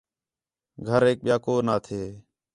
گھریک ٻِیا کو نہ تھے